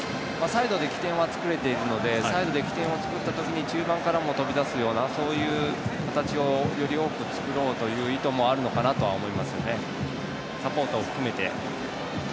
サイドで起点は作れているのでサイドで起点を作ったときに中盤からも飛び出すような形をより多く作ろうという意図もあるのかなと思いますね。